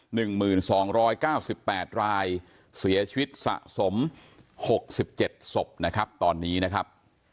หนึ่งหมื่นสองร้อยเก้าสิบแปดรายเสียชีวิตสะสมหกสิบเจ็ดศพนะครับตอนนี้นะครับ